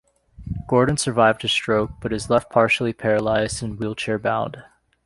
Gordon survived his stroke, but is left partially paralyzed and wheelchair-bound.